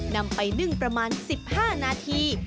นำไปนึ่งประมาณ๑๕นาที